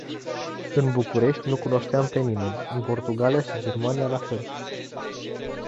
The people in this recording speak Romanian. În București nu cunoșteam pe nimeni, în Portugalia și Germania la fel.